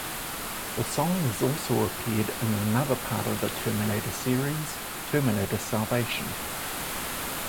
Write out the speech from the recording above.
The song is also appeared in another part of the "Terminator" series, "Terminator Salvation".